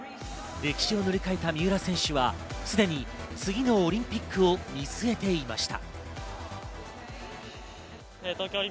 歴史を塗り替えた三浦選手はすでに次のオリンピックを見据えていました。